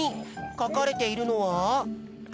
かかれているのは！？